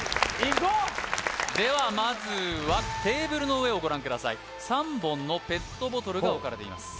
こうではまずはテーブルの上をご覧ください３本のペットボトルが置かれています